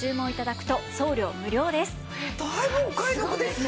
だいぶお買い得ですね！